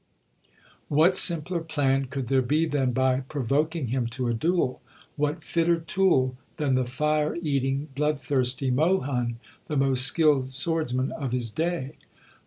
What simpler plan could there be than by provoking him to a duel; what fitter tool than the fire eating, bloodthirsty Mohun, the most skilled swordsman of his day?